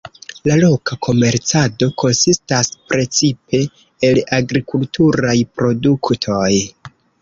La loka komercado konsistas precipe el agrikulturaj produktoj.